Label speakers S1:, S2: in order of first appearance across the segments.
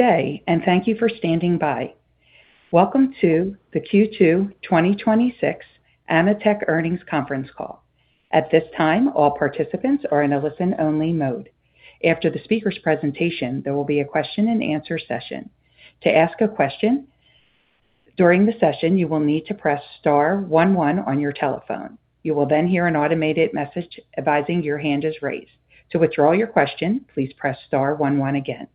S1: Good day, and thank you for standing by. Welcome to the Q2 2026 AMETEK Earnings Conference Call. At this time, all participants are in a listen-only mode. After the speakers' presentation, there will be a question-and-answer session. To ask a question during the session, you will need to press star one one on your telephone. You will then hear an automated message advising your hand is raised. To withdraw your question, please press star one one again.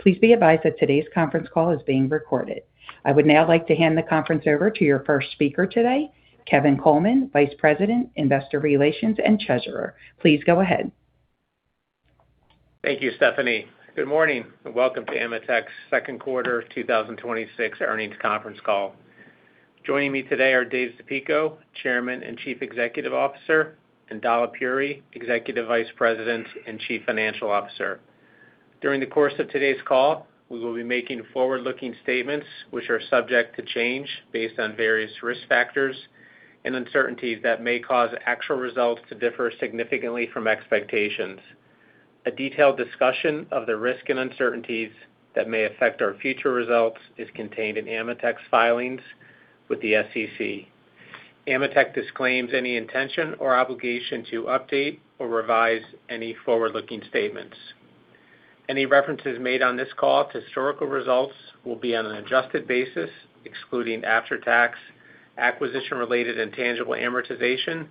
S1: Please be advised that today's conference call is being recorded. I would now like to hand the conference over to your first speaker today, Kevin Coleman, Vice President, Investor Relations, and Treasurer. Please go ahead.
S2: Thank you, Stephanie. Good morning, and welcome to AMETEK's Q2 2026 earnings conference call. Joining me today are David Zapico, Chairman and Chief Executive Officer, and Dalip Puri, Executive Vice President and Chief Financial Officer. During the course of today's call, we will be making forward-looking statements, which are subject to change based on various risk factors and uncertainties that may cause actual results to differ significantly from expectations. A detailed discussion of the risk and uncertainties that may affect our future results is contained in AMETEK's filings with the SEC. AMETEK disclaims any intention or obligation to update or revise any forward-looking statements. Any references made on this call to historical results will be on an adjusted basis, excluding after-tax acquisition-related intangible amortization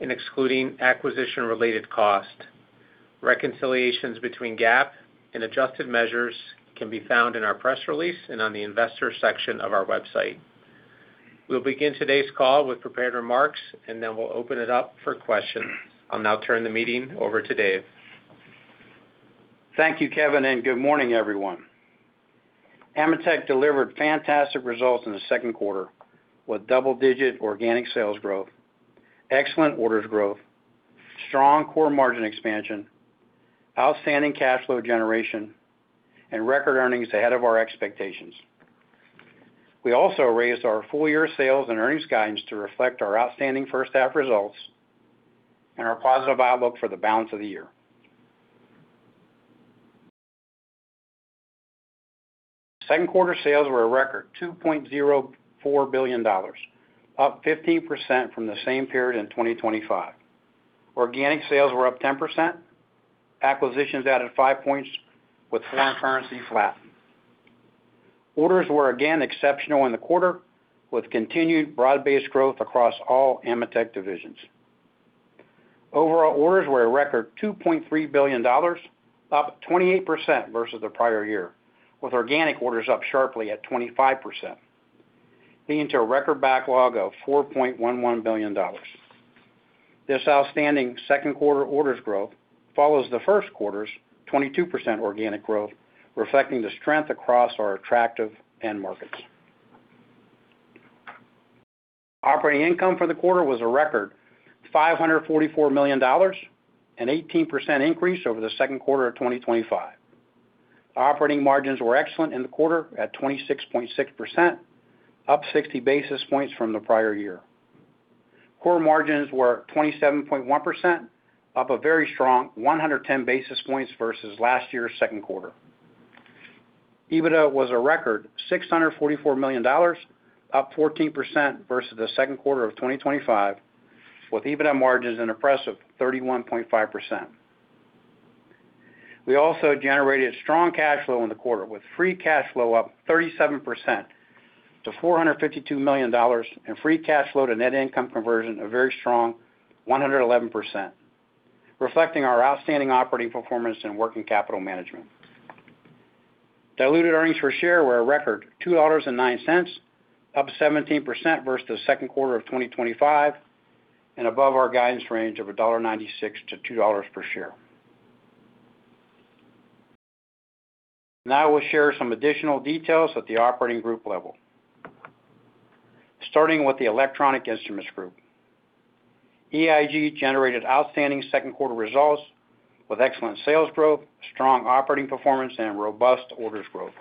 S2: and excluding acquisition-related cost. Reconciliations between GAAP and adjusted measures can be found in our press release and on the investor section of our website. We'll begin today's call with prepared remarks, then we'll open it up for questions. I'll now turn the meeting over to David.
S3: Thank you, Kevin, and good morning, everyone. AMETEK delivered fantastic results in Q2 with double-digit organic sales growth, excellent orders growth, strong core margin expansion, outstanding cash flow generation, and record earnings ahead of our expectations. We also raised our full-year sales and earnings guidance to reflect our outstanding first half results and our positive outlook for the balance of the year. Q2 sales were a record $2.04 billion, up 15% from the same period in 2025. Organic sales were up 10%, acquisitions added five points, with foreign currency flat. Orders were again exceptional in the quarter, with continued broad-based growth across all AMETEK divisions. Overall orders were a record $2.3 billion, up 28% versus the prior year, with organic orders up sharply at 25%, leading to a record backlog of $4.11 billion. This outstanding Q2 orders growth follows Q1's 22% organic growth, reflecting the strength across our attractive end markets. Operating income for the quarter was a record $544 million, an 18% increase over Q2 of 2025. Operating margins were excellent in the quarter at 26.6%, up 60 basis points from the prior year. Core margins were 27.1%, up a very strong 110 basis points versus last year's Q2. EBITDA was a record $644 million, up 14% versus Q2 of 2025, with EBITDA margins an impressive 31.5%. We also generated strong cash flow in the quarter, with free cash flow up 37% to $452 million, and free cash flow to net income conversion a very strong 111%, reflecting our outstanding operating performance and working capital management. Diluted earnings per share were a record $2.09, up 17% versus Q2 of 2025, and above our guidance range of $1.96 to $2 per share. We'll share some additional details at the operating group level. Starting with the Electronic Instruments Group. EIG generated outstanding Q2 results with excellent sales growth, strong operating performance, and robust orders growth.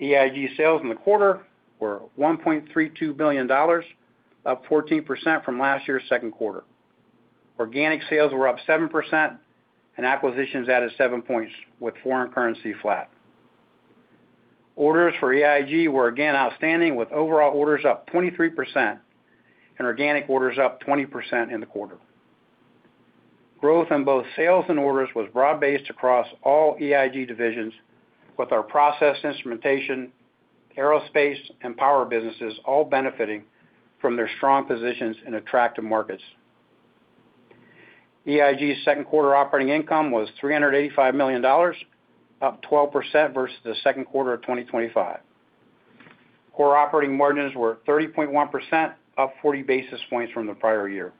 S3: EIG sales in the quarter were $1.32 billion, up 14% from last year's Q2. Organic sales were up 7%, and acquisitions added seven points, with foreign currency flat. Orders for EIG were again outstanding, with overall orders up 23% and organic orders up 20% in the quarter. Growth in both sales and orders was broad-based across all EIG divisions with our process instrumentation, aerospace, and power businesses all benefiting from their strong positions in attractive markets. EIG's second quarter operating income was $385 million, up 12% versus Q2 of 2025. Core operating margins were 30.1%, up 40 basis points from the prior year.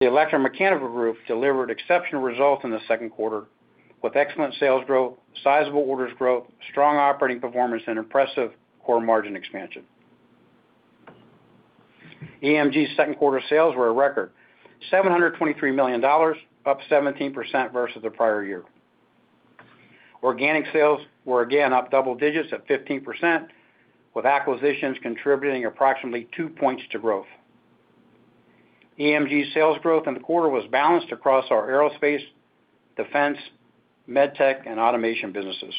S3: The Electromechanical Group delivered exceptional results in Q2 with excellent sales growth, sizable orders growth, strong operating performance, and impressive core margin expansion. EMG's Q2 sales were a record $723 million, up 17% versus the prior year. Organic sales were again up double digits at 15%, with acquisitions contributing approximately two points to growth. EMG sales growth in the quarter was balanced across our aerospace, defense, med tech, and automation businesses.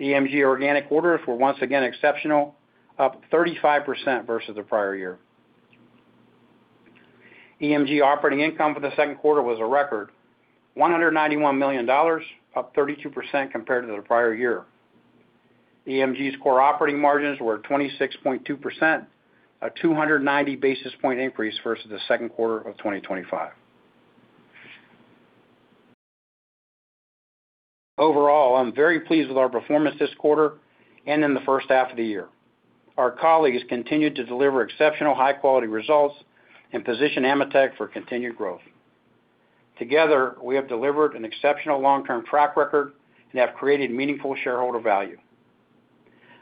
S3: EMG organic orders were once again exceptional, up 35% versus the prior year. EMG operating income for Q2 was a record, $191 million, up 32% compared to the prior year. EMG's core operating margins were 26.2%, a 290 basis point increase versus Q2 of 2025. Overall, I'm very pleased with our performance this quarter and in H1 of the year. Our colleagues continued to deliver exceptional high-quality results and position AMETEK for continued growth. Together, we have delivered an exceptional long-term track record and have created meaningful shareholder value.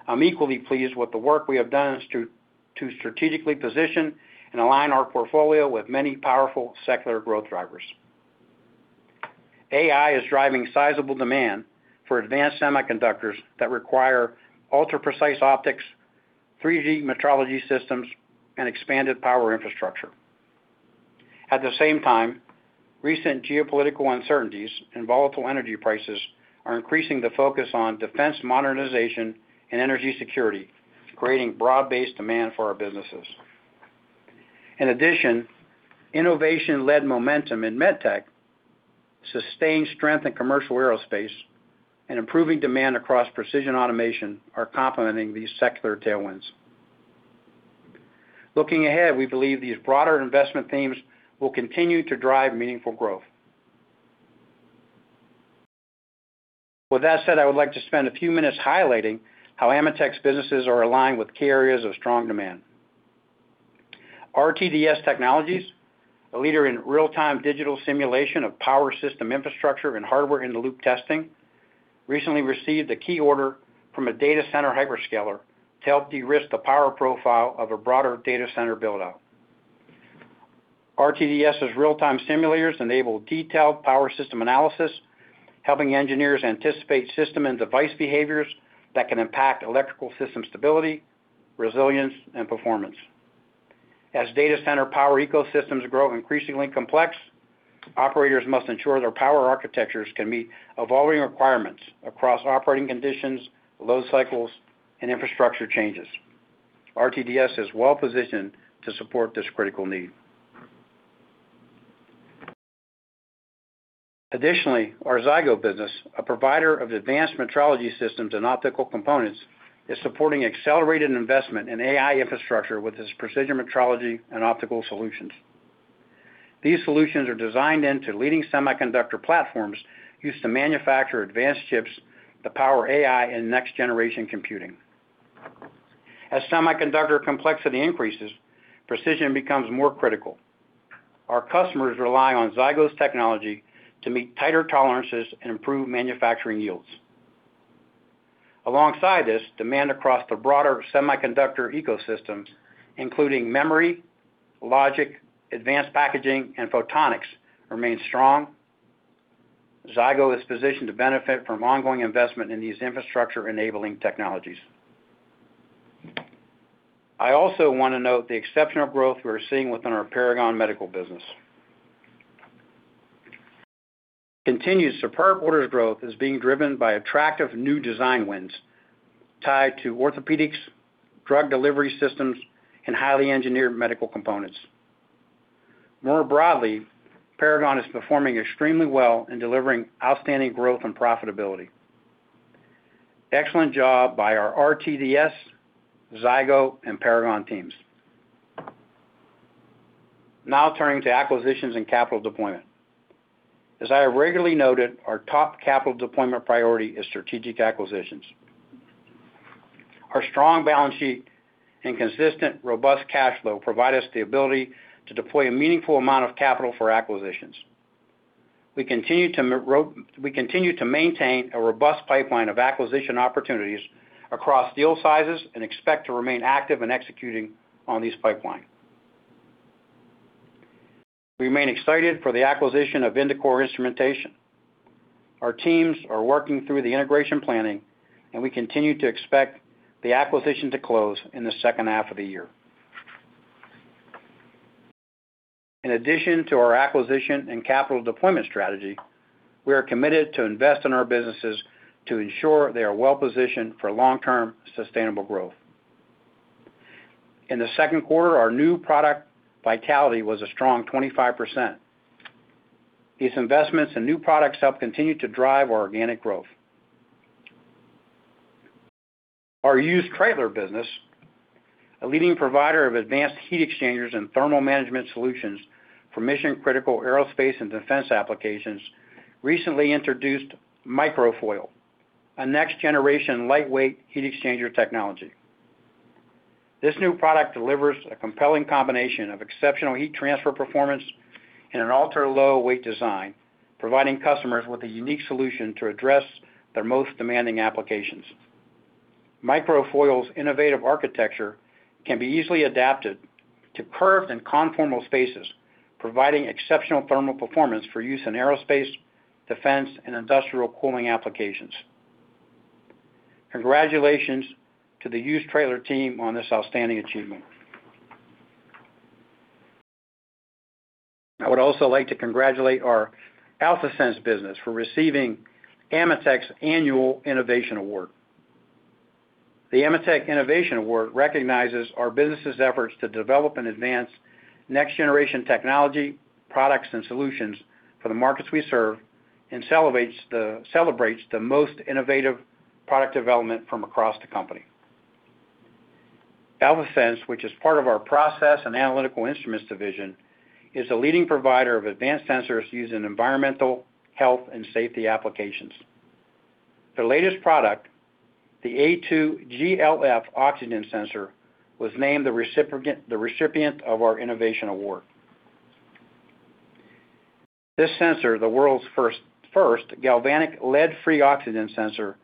S3: I'm equally pleased with the work we have done to strategically position and align our portfolio with many powerful secular growth drivers. AI is driving sizable demand for advanced semiconductors that require ultra-precise optics, 3D metrology systems, and expanded power infrastructure. At the same time, recent geopolitical uncertainties and volatile energy prices are increasing the focus on defense modernization and energy security, creating broad-based demand for our businesses. In addition, innovation-led momentum in med tech, sustained strength in commercial aerospace, and improving demand across precision automation are complementing these secular tailwinds. Looking ahead, we believe these broader investment themes will continue to drive meaningful growth. With that said, I would like to spend a few minutes highlighting how AMETEK's businesses are aligned with key areas of strong demand. RTDS Technologies, a leader in real-time digital simulation of power system infrastructure and hardware-in-the-loop testing, recently received a key order from a data center hyperscaler to help de-risk the power profile of a broader data center build-out. RTDS's real-time simulators enable detailed power system analysis, helping engineers anticipate system and device behaviors that can impact electrical system stability, resilience, and performance. As data center power ecosystems grow increasingly complex, operators must ensure their power architectures can meet evolving requirements across operating conditions, load cycles, and infrastructure changes. RTDS is well-positioned to support this critical need. Additionally, our Zygo business, a provider of advanced metrology systems and optical components, is supporting accelerated investment in AI infrastructure with its precision metrology and optical solutions. These solutions are designed into leading semiconductor platforms used to manufacture advanced chips to power AI and next-generation computing. As semiconductor complexity increases, precision becomes more critical. Our customers rely on Zygo's technology to meet tighter tolerances and improve manufacturing yields. Alongside this, demand across the broader semiconductor ecosystems, including memory, logic, advanced packaging, and photonics, remain strong. Zygo is positioned to benefit from ongoing investment in these infrastructure-enabling technologies. I also want to note the exceptional growth we're seeing within our Paragon Medical business. Continued superb orders growth is being driven by attractive new design wins tied to orthopedics, drug delivery systems, and highly engineered medical components. More broadly, Paragon is performing extremely well in delivering outstanding growth and profitability. Excellent job by our RTDS, Zygo, and Paragon teams. Now turning to acquisitions and capital deployment. As I have regularly noted, our top capital deployment priority is strategic acquisitions. Our strong balance sheet and consistent, robust cash flow provide us the ability to deploy a meaningful amount of capital for acquisitions. We continue to maintain a robust pipeline of acquisition opportunities across deal sizes and expect to remain active in executing on this pipeline. We remain excited for the acquisition of Indicor Instrumentation. Our teams are working through the integration planning, and we continue to expect the acquisition to close in the second half of the year. In addition to our acquisition and capital deployment strategy, we are committed to invest in our businesses to ensure they are well-positioned for long-term sustainable growth. In Q2, our new product vitality was a strong 25%. These investments in new products help continue to drive our organic growth. Our Hughes-Treitler business, a leading provider of advanced heat exchangers and thermal management solutions for mission-critical aerospace and defense applications, recently introduced Microfoil, a next-generation lightweight heat exchanger technology. This new product delivers a compelling combination of exceptional heat transfer performance in an ultra-low weight design, providing customers with a unique solution to address their most demanding applications. Microfoil's innovative architecture can be easily adapted to curved and conformal spaces, providing exceptional thermal performance for use in aerospace, defense, and industrial cooling applications. Congratulations to the Hughes-Treitler team on this outstanding achievement. I would also like to congratulate our AlphaSense business for receiving AMETEK's annual Innovation Award. The AMETEK Innovation Award recognizes our business' efforts to develop and advance next-generation technology, products, and solutions for the markets we serve, and celebrates the most innovative product development from across the company. AlphaSense, which is part of our Process & Analytical Instruments division, is a leading provider of advanced sensors used in environmental, health, and safety applications. The latest product, the A2GLF oxygen sensor, was named the recipient of our Innovation Award. This sensor, the world's first galvanic lead-free oxygen sensor,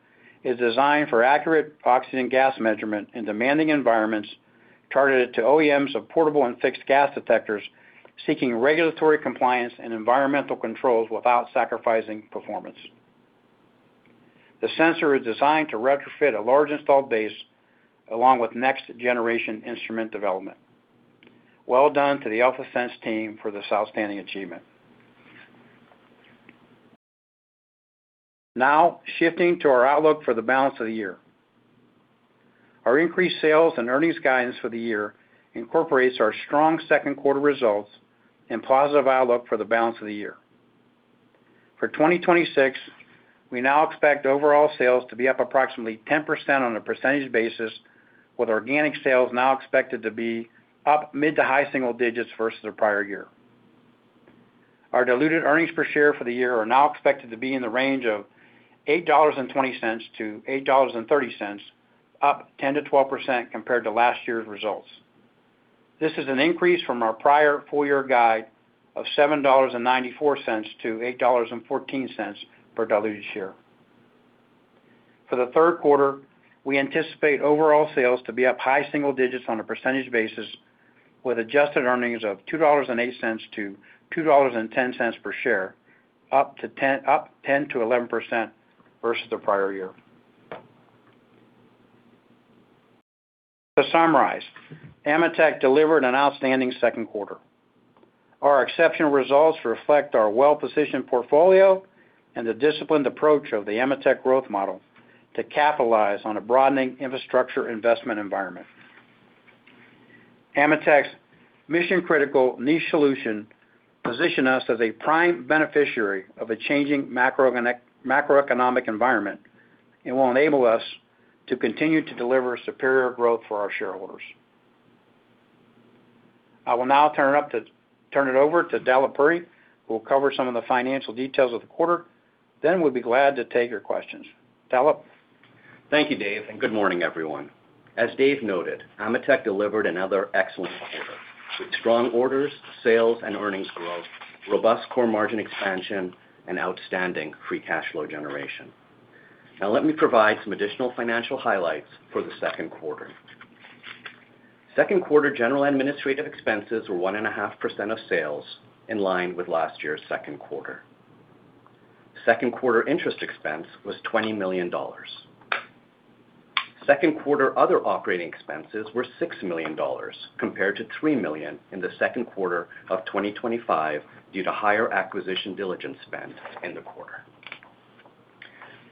S3: is designed for accurate oxygen gas measurement in demanding environments, targeted to OEMs of portable and fixed gas detectors, seeking regulatory compliance and environmental controls without sacrificing performance. The sensor is designed to retrofit a large installed base, along with next generation instrument development. Well done to the AlphaSense team for this outstanding achievement. Now shifting to our outlook for the balance of the year. Our increased sales and earnings guidance for the year incorporates our strong second quarter results and positive outlook for the balance of the year. For 2026, we now expect overall sales to be up approximately 10% on a percentage basis, with organic sales now expected to be up mid to high single digits versus the prior year. Our diluted earnings per share for the year are now expected to be in the range of $8.20 - $8.30, up 10%-12% compared to last year's results. This is an increase from our prior full-year guide of $7.94 - $8.14 per diluted share. For the third quarter, we anticipate overall sales to be up high single digits on a percentage basis, with adjusted earnings of $2.08 - $2.10 per share, up 10%-11% versus the prior year. To summarize, AMETEK delivered an outstanding second quarter. Our exceptional results reflect our well-positioned portfolio and the disciplined approach of the AMETEK growth model to capitalize on a broadening infrastructure investment environment. AMETEK's mission-critical niche solution position us as a prime beneficiary of a changing macroeconomic environment and will enable us to continue to deliver superior growth for our shareholders. I will now turn it over to Dalip Puri, who will cover some of the financial details of the quarter. Then we'd be glad to take your questions. Dalip?
S4: Thank you, Dave, and good morning, everyone. As Dave noted, AMETEK delivered another excellent quarter with strong orders, sales and earnings growth, robust core margin expansion, and outstanding free cash flow generation. Now let me provide some additional financial highlights for Q2. Q2 general administrative expenses were 1.5% of sales, in line with last year's second quarter. Second quarter interest expense was $20 million. Q2 other operating expenses were $6 million, compared to $3 million in Q2 of 2025, due to higher acquisition diligence spend in the quarter.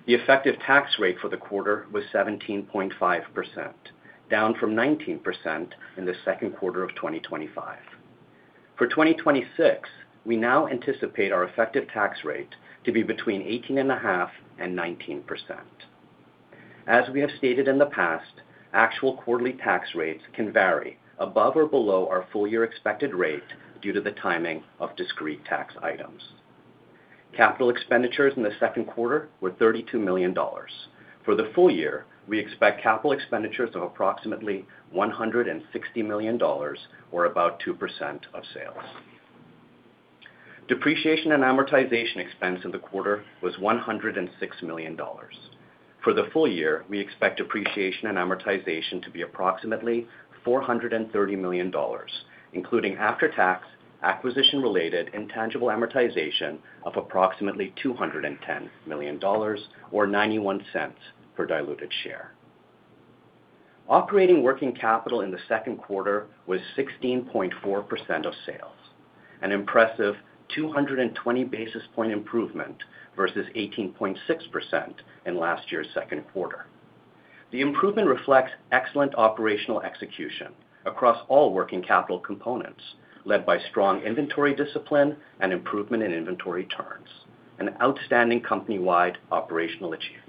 S4: The effective tax rate for the quarter was 17.5%, down from 19% in Q2 of 2025. For 2026, we now anticipate our effective tax rate to be between 18.5% and 19%. As we have stated in the past, actual quarterly tax rates can vary above or below our full-year expected rate due to the timing of discrete tax items. Capital expenditures in Q2 were $32 million. For the full year, we expect capital expenditures of approximately $160 million or about 2% of sales. Depreciation and amortization expense in the quarter was $106 million. For the full year, we expect depreciation and amortization to be approximately $430 million, including after-tax acquisition-related intangible amortization of approximately $210 million, or $0.91 per diluted share. Operating working capital in the second quarter was 16.4% of sales, an impressive 220 basis point improvement versus 18.6% in last year's Q2. The improvement reflects excellent operational execution across all working capital components, led by strong inventory discipline and improvement in inventory turns, an outstanding company-wide operational achievement.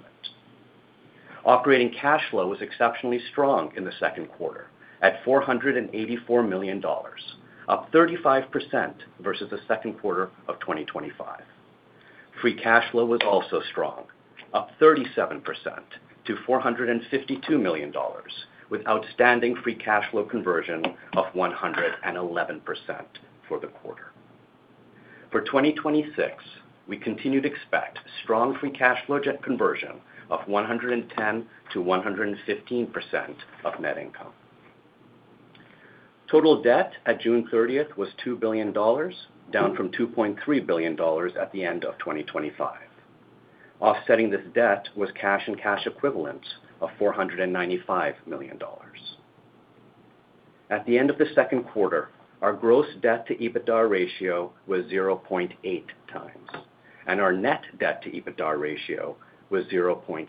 S4: Operating cash flow was exceptionally strong in Q2 at $484 million, up 35% versus Q2 of 2025. Free cash flow was also strong, up 37% to $452 million, with outstanding free cash flow conversion of 111% for the quarter. For 2026, we continue to expect strong free cash flow conversion of 110%-115% of net income. Total debt at June 30th was $2 billion, down from $2.3 billion at the end of 2025. Offsetting this debt was cash and cash equivalents of $495 million. At the end of Q2, our gross debt to EBITDA ratio was 0.8 times, and our net debt to EBITDA ratio was 0.6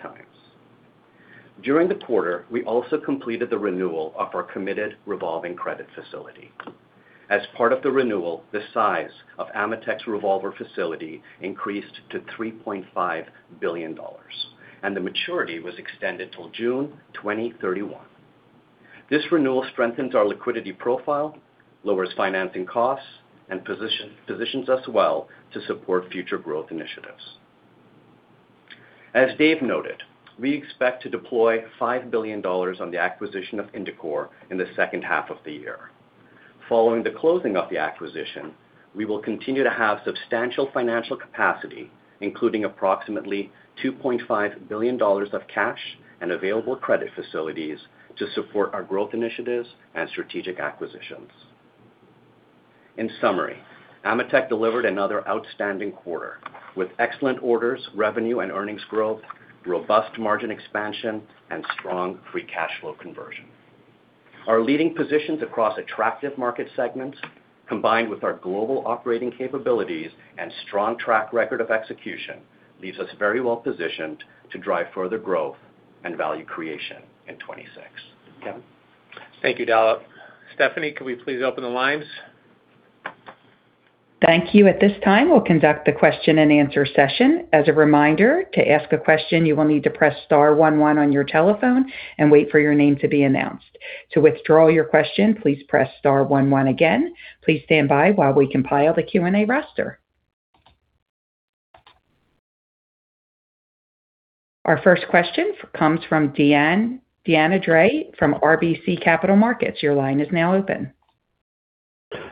S4: times. During the quarter, we also completed the renewal of our committed revolving credit facility. As part of the renewal, the size of AMETEK's revolver facility increased to $3.5 billion, and the maturity was extended till June 2031. This renewal strengthens our liquidity profile, lowers financing costs, and positions us well to support future growth initiatives. As Dave noted, we expect to deploy $5 billion on the acquisition of Indicor Instrumentation in H2 of the year. Following the closing of the acquisition, we will continue to have substantial financial capacity, including approximately $2.5 billion of cash and available credit facilities to support our growth initiatives and strategic acquisitions. In summary, AMETEK delivered another outstanding quarter, with excellent orders, revenue, and earnings growth, robust margin expansion, and strong free cash flow conversion. Our leading positions across attractive market segments, combined with our global operating capabilities and strong track record of execution, leaves us very well positioned to drive further growth and value creation in 2026. Kevin?
S2: Thank you, Dalip. Stephanie, could we please open the lines?
S1: Thank you. At this time, we'll conduct the question-and-answer session. As a reminder, to ask a question, you will need to press star one one on your telephone and wait for your name to be announced. To withdraw your question, please press star one one again. Please stand by while we compile the Q&A roster. Our first question comes from Deane Dray from RBC Capital Markets. Your line is now open.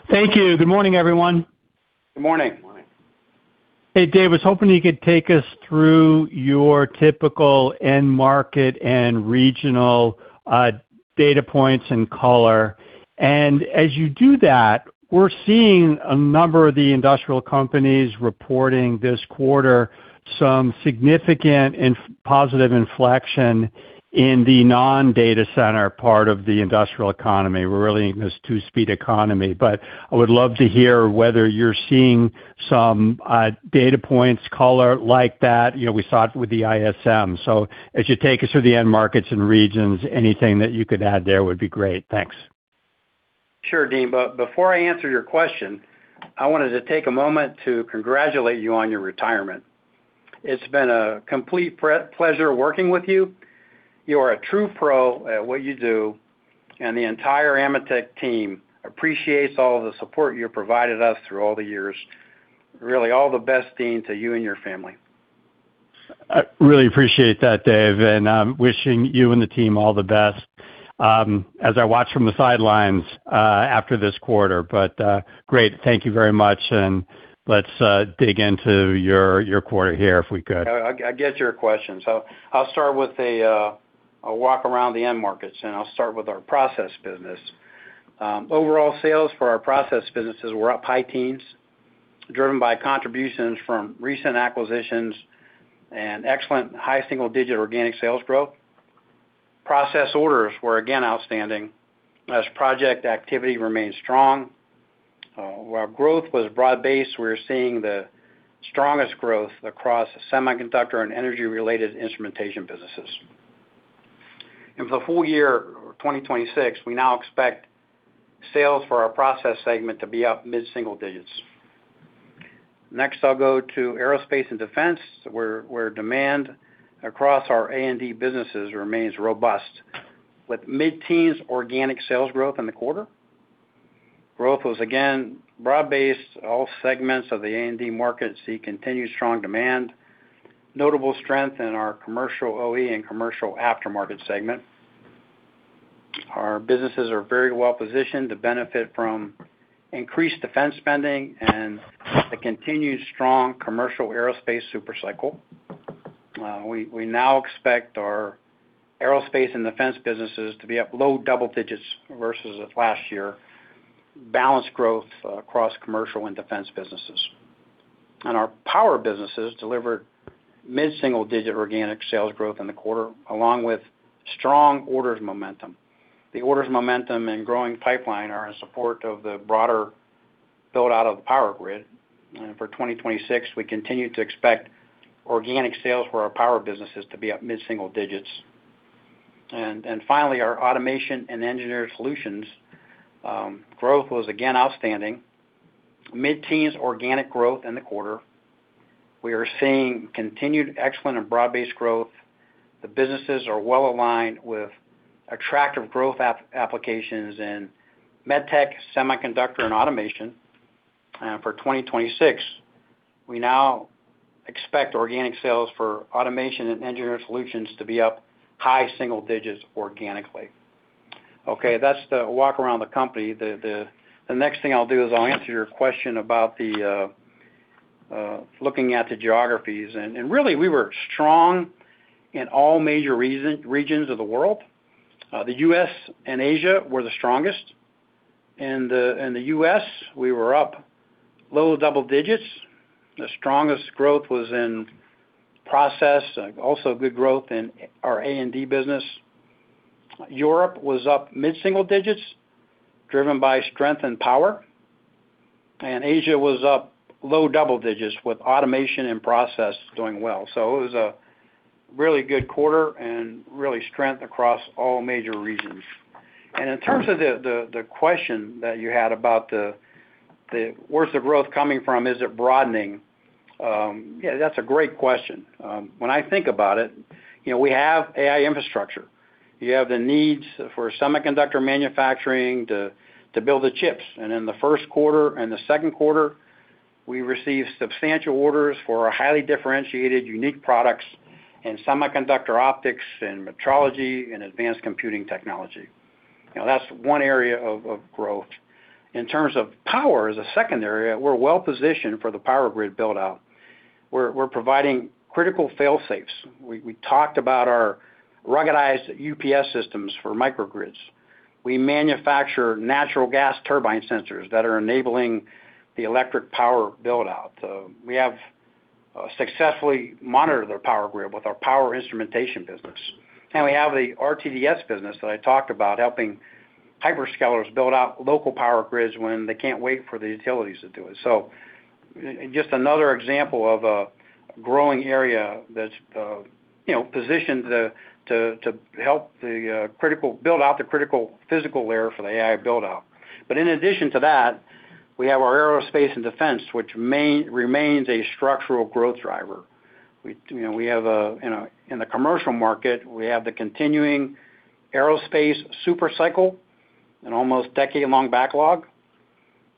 S5: Thank you. Good morning, everyone.
S3: Good morning.
S4: Morning.
S5: Hey, David. Was hoping you could take us through your typical end market and regional data points and color. As you do that, we're seeing a number of the industrial companies reporting this quarter some significant and positive inflection in the non-data center part of the industrial economy. We're really in this two-speed economy. I would love to hear whether you're seeing some data points color like that. We saw it with the ISM. As you take us through the end markets and regions, anything that you could add there would be great. Thanks.
S3: Sure, Deane. Before I answer your question, I wanted to take a moment to congratulate you on your retirement. It's been a complete pleasure working with you. You are a true pro at what you do, and the entire AMETEK team appreciates all the support you've provided us through all the years. Really, all the best, Deane, to you and your family.
S5: I really appreciate that, David, and I'm wishing you and the team all the best as I watch from the sidelines after this quarter. Great, thank you very much, and let's dig into your quarter here if we could.
S3: I get your question. I'll start with a walk around the end markets, and I'll start with our process business. Overall sales for our process businesses were up high teens, driven by contributions from recent acquisitions and excellent high single-digit organic sales growth. Process orders were again outstanding as project activity remained strong. While growth was broad based, we're seeing the strongest growth across semiconductor and energy-related instrumentation businesses. For the full year 2026, we now expect sales for our process segment to be up mid-single digits. Next, I'll go to aerospace and defense, where demand across our A&D businesses remains robust with mid-teens organic sales growth in the quarter. Growth was again broad based. All segments of the A&D market see continued strong demand. Notable strength in our commercial OE and commercial aftermarket segment. Our businesses are very well positioned to benefit from increased defense spending and the continued strong commercial aerospace super cycle. We now expect our aerospace and defense businesses to be up low double digits versus last year, balanced growth across commercial and defense businesses. Our power businesses delivered mid-single-digit organic sales growth in the quarter, along with strong orders momentum. The orders momentum and growing pipeline are in support of the broader build-out of the power grid. For 2026, we continue to expect organic sales for our power businesses to be up mid-single digits. Finally, our automation and engineered solutions growth was again outstanding. Mid-teens organic growth in the quarter. We are seeing continued excellent and broad-based growth. The businesses are well-aligned with attractive growth applications in med tech, semiconductor, and automation. For 2026, we now expect organic sales for automation and engineered solutions to be up high single digits organically. Okay, that's the walk around the company. The next thing I'll do is I'll answer your question about looking at the geographies. Really, we were strong in all major regions of the world. The U.S. and Asia were the strongest. In the U.S., we were up low double digits. The strongest growth was in process, also good growth in our A&D business. Europe was up mid-single digits, driven by strength and power. Asia was up low double digits with automation and process doing well. It was a really good quarter and really strength across all major regions. In terms of the question that you had about where's the growth coming from? Is it broadening? Yeah, that's a great question. When I think about it, we have AI infrastructure. You have the needs for semiconductor manufacturing to build the chips. In the first quarter and the second quarter, we received substantial orders for our highly differentiated, unique products in semiconductor optics and metrology and advanced computing technology. Now, that's one area of growth. In terms of power, as a second area, we're well-positioned for the power grid build-out. We're providing critical fail-safes. We talked about our ruggedized UPS systems for microgrids. We manufacture natural gas turbine sensors that are enabling the electric power build-out. We have successfully monitored their power grid with our power instrumentation business. We have the RTDS business that I talked about, helping hyperscalers build out local power grids when they can't wait for the utilities to do it. Just another example of a growing area that's positioned to help build out the critical physical layer for the AI build-out. In addition to that, we have our aerospace and defense, which remains a structural growth driver. In the commercial market, we have the continuing aerospace super cycle, an almost decade-long backlog.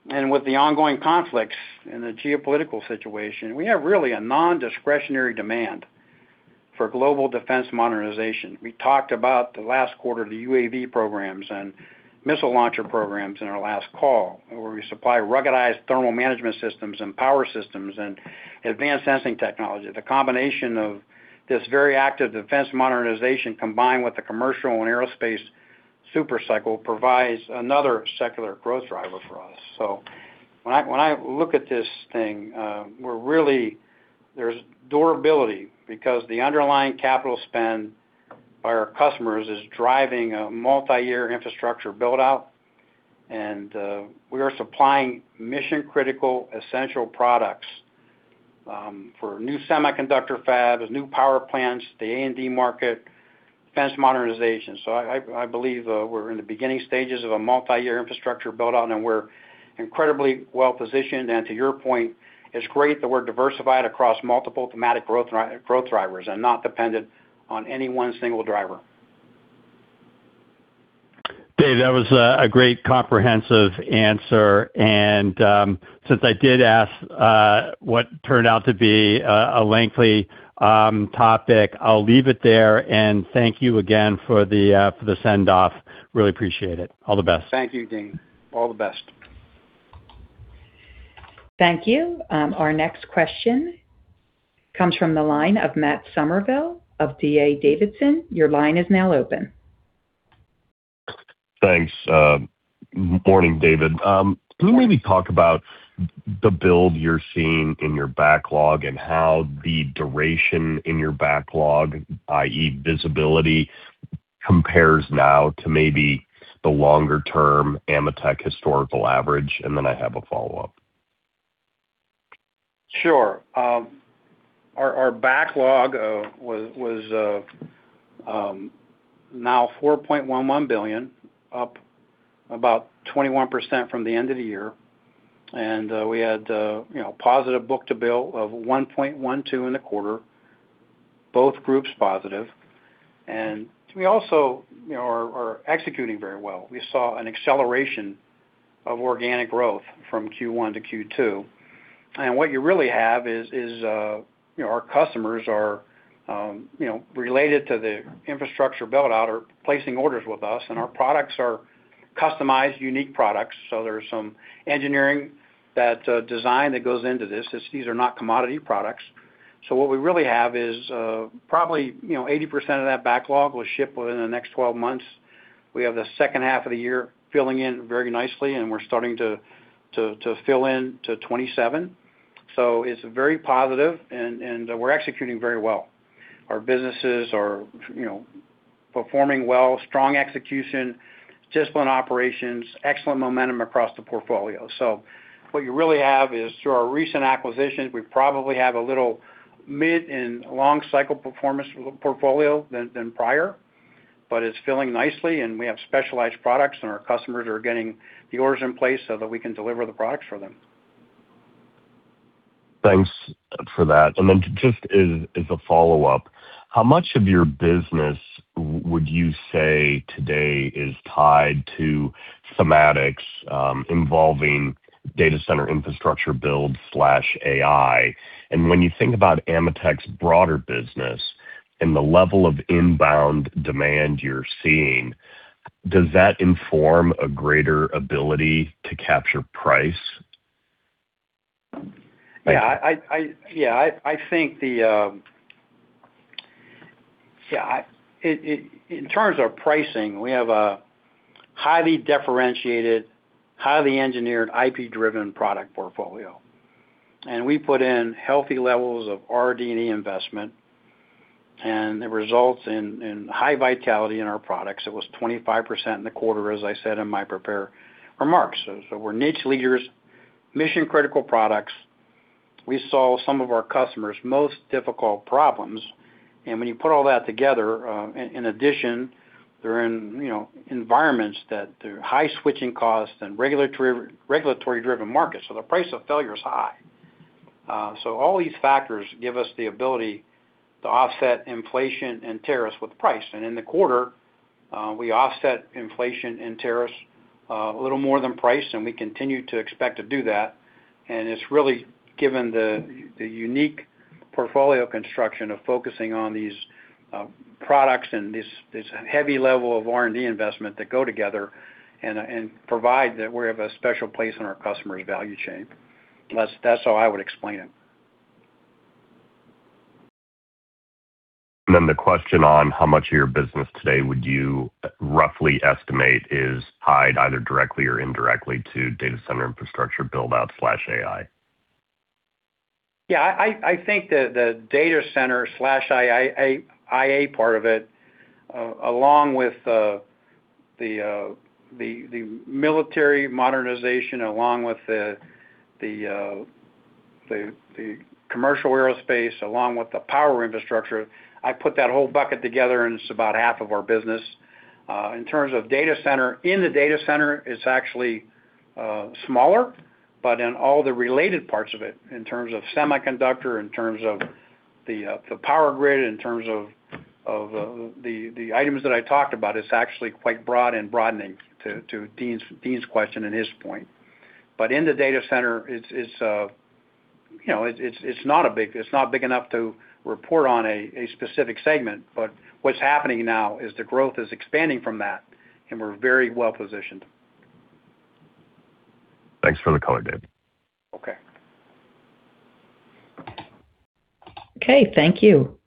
S3: With the ongoing conflicts and the geopolitical situation, we have really a non-discretionary demand for global defense modernization. We talked about the last quarter, the UAV programs and missile launcher programs in our last call, where we supply ruggedized thermal management systems and power systems and advanced sensing technology. The combination of this very active defense modernization, combined with the commercial and aerospace super cycle, provides another secular growth driver for us. When I look at this thing, there's durability because the underlying capital spend by our customers is driving a multi-year infrastructure build-out, and we are supplying mission-critical, essential products for new semiconductor fabs, new power plants, the A&D market, defense modernization. I believe we're in the beginning stages of a multi-year infrastructure build-out, and we're incredibly well-positioned. To your point, it's great that we're diversified across multiple thematic growth drivers and not dependent on any one single driver.
S5: David, that was a great comprehensive answer. Since I did ask what turned out to be a lengthy topic, I'll leave it there. Thank you again for the send-off. Really appreciate it. All the best.
S3: Thank you, Deane. All the best.
S1: Thank you. Our next question comes from the line of Matt Summerville of D.A. Davidson. Your line is now open.
S6: Thanks. Morning, David.
S3: Morning.
S6: Can you maybe talk about the build you're seeing in your backlog and how the duration in your backlog, i.e., visibility, compares now to maybe the longer-term AMETEK historical average? I have a follow-up.
S3: Sure. Our backlog was now $4.11 billion, up about 21% from the end of the year. We had a positive book-to-bill of 1.12 in the quarter, both groups positive. We also are executing very well. We saw an acceleration of organic growth from Q1 to Q2. What you really have is our customers are, related to the infrastructure build-out, are placing orders with us, and our products are customized, unique products, so there's some engineering design that goes into this. These are not commodity products. What we really have is probably 80% of that backlog will ship within the next 12 months. We have the second half of the year filling in very nicely, and we're starting to fill in to 2027. It's very positive, and we're executing very well. Our businesses are performing well, strong execution, disciplined operations, excellent momentum across the portfolio. What you really have is, through our recent acquisitions, we probably have a little mid and long-cycle performance portfolio than prior, but it's filling nicely, and we have specialized products, and our customers are getting the orders in place so that we can deliver the products for them.
S6: Thanks for that. Just as a follow-up, how much of your business would you say today is tied to sematics involving data center infrastructure build/AI? When you think about AMETEK's broader business and the level of inbound demand you're seeing, does that inform a greater ability to capture price?
S3: In terms of pricing, we have a highly differentiated, highly engineered, IP-driven product portfolio. We put in healthy levels of RD&E investment, and it results in high vitality in our products. It was 25% in the quarter, as I said in my prepared remarks. We're niche leaders, mission-critical products. We solve some of our customers' most difficult problems. When you put all that together, in addition, they're in environments that there are high switching costs and regulatory-driven markets. The price of failure is high. All these factors give us the ability to offset inflation and tariffs with price. In the quarter, we offset inflation and tariffs a little more than price, and we continue to expect to do that. It's really given the unique portfolio construction of focusing on these products and this heavy level of R&D investment that go together and provide that we have a special place in our customers' value chain. That's how I would explain it.
S6: The question on how much of your business today would you roughly estimate is tied either directly or indirectly to data center infrastructure build-out/AI?
S3: Yeah, I think the data center/IA part of it, along with the military modernization, along with the commercial aerospace, along with the power infrastructure, I put that whole bucket together. It's about half of our business. In terms of data center, in the data center, it's actually smaller, but in all the related parts of it, in terms of semiconductor, in terms of the power grid, in terms of the items that I talked about, it's actually quite broad and broadening to Deane's question and his point. In the data center, it's not big enough to report on a specific segment. What's happening now is the growth is expanding from that, and we're very well-positioned.
S6: Thanks for the color, David.
S3: Okay.
S1: Okay, thank you.